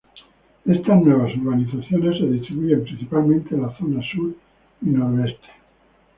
Estas nuevas urbanizaciones se distribuyen principalmente en la zona sur y noroeste.